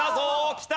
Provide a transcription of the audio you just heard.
きた。